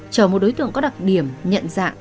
chờ một đối tượng có đặc điểm nhận dạng